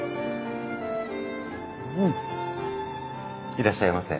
いらっしゃいませ。